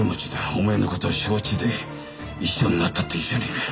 おめえの事を承知で一緒になったっていうじゃねえか。